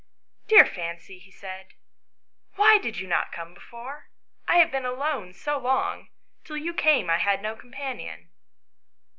" Dear Fancy," he said, " why did you not come before ? I have been alone so long ; till you came I had no companion."